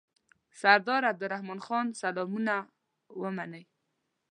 سردار عبدالرحمن خان سلامونه ومنئ.